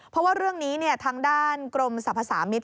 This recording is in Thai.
เพราะว่าเรื่องนี้ทางด้านกรมสรรพสามิตร